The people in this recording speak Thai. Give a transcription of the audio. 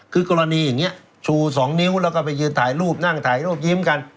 คือกรณีอย่างนี้ชู๒นิ้วแล้วก็ไปยืนถ่ายรูปนั่งถ่ายรูปยิ้มกัน